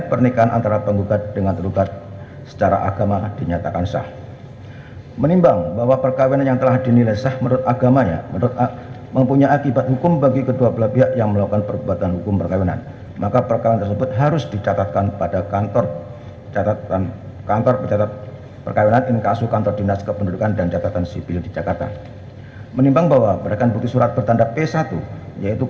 pertama penggugat akan menerjakan waktu yang cukup untuk menerjakan si anak anak tersebut yang telah menjadi ilustrasi